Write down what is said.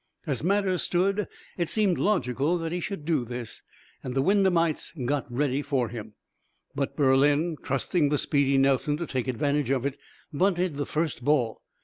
As matters stood, it seemed logical that he should do this, and the Wyndhamites got ready for him. But Berlin, trusting the speedy Nelson to take advantage of it, bunted the first ball.